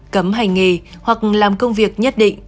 cấm hành nghề hoặc làm công việc nhất định